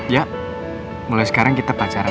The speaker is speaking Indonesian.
ya mulai sekarang kita pacaran